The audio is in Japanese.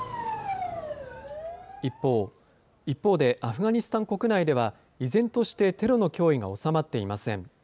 一方でアフガニスタン国内では、依然としてテロの脅威が収まっていません。